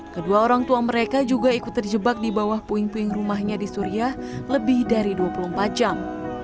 kedua orang tua mereka juga ikut terjebak di bawah puing puing rumahnya di suriah lebih dari dua puluh empat jam